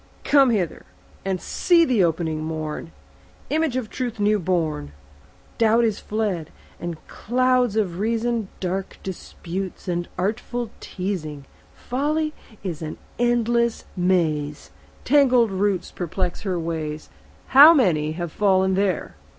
come hither And see the opening morn, Image of Truth new born. Doubt is fled, and clouds of reason, Dark disputes and artful teazing. Folly is an endless maze; Tangled roots perplex her ways; How many have fallen there!